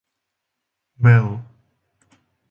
Bell.